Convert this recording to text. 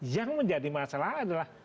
yang menjadi masalah adalah